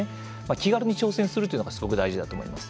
気軽に挑戦するというのがすごく大事だと思います。